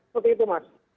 seperti itu mas